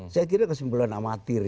saya kira kesimpulan amatir